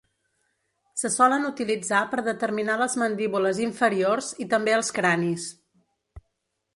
Se solen utilitzar per determinar les mandíbules inferiors i també els cranis.